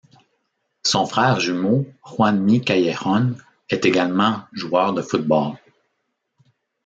Son frère jumeau Juanmi Callejón est également joueur de football.